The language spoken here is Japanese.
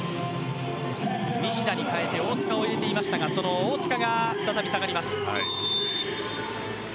西田に代わって、大塚を入れていましたがその大塚が再び下がります。